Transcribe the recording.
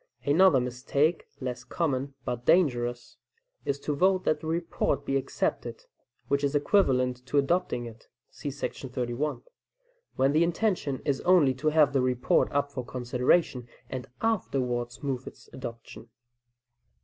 Another mistake, less common, but dangerous, is to vote that the report be accepted (which is equivalent to adopting it, see § 31), when the intention is only to have the report up for consideration and afterwards move its adoption.